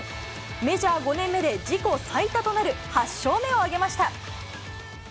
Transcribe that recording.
メジャー５年目で自己最多となる８勝目を挙げました。